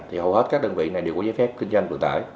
thì hầu hết các đơn vị này đều có giấy phép kinh doanh vận tải